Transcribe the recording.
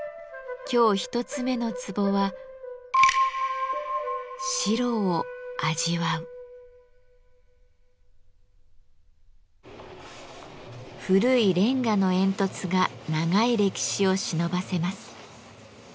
今日一つ目のツボは古いレンガの煙突が長い歴史をしのばせます。